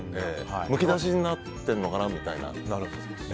むき出しになってるのかなみたいな。